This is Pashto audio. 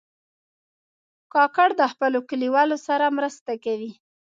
کاکړ د خپلو کلیوالو سره مرسته کوي.